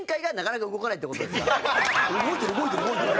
動いてる動いてる動いてる！